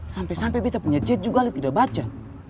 sampai sampai beda punya jet juga ali tidak baca